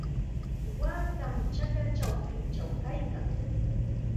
Waakam chakra chawpinchaw kaykan.